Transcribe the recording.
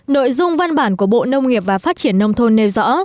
nội dung văn bản của bộ nông nghiệp và phát triển nông thôn nêu rõ